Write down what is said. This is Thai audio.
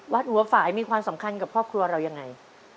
วัดหัวฝ่ายมีความสำคัญกับครอบครัวเรายังไง